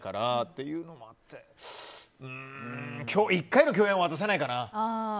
１回の共演は渡さないかな。